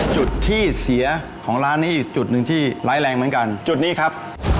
จุดที่เสียของร้านนี้อีกจุดหนึ่งที่ร้ายแรงเหมือนกันจุดนี้ครับ